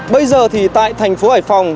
bây giờ thì tại thành phố hải phòng